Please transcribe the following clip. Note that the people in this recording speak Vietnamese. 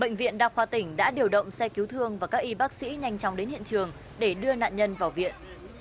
bệnh viện đa khoa tỉnh đã điều động xe cứu thương và các y bác sĩ nhanh chóng đến hiện trường để đưa nạn nhân vào viện